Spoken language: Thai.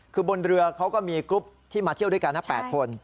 คือบนเรือเขาก็มีกรุ๊ปที่มาเที่ยวด้วยกันนะ๘คน